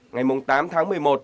ngày tám tháng một mươi một